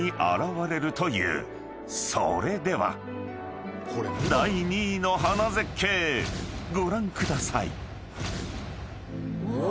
［それでは第２位の花絶景ご覧ください］